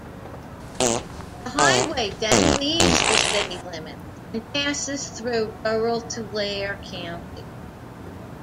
The highway then leaves the city limits and passes through rural Tulare County.